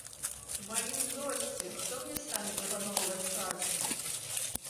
У маім узросце хто мне стане прапаноўваць працу?